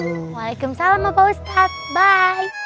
waalaikumsalam opah ustadz bye